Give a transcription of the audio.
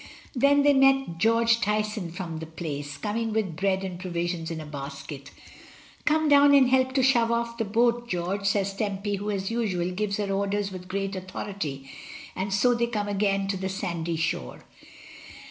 Then they meet George Tyson from the Place, coming with bread and provisions in a basket. THREE ON A HILL SIDE. 247 "Come down and help to shove off the boat, George/' says Tempy, who, as usual, gives her orders with great authority, and so they come again to the sandy shore.